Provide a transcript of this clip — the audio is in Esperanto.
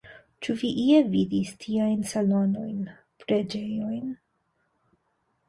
Ĉu vi ie vidis tiajn salonojn, preĝejojn?